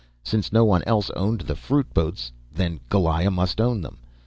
Since no one else owned the fruit boats, then Goliah must own them.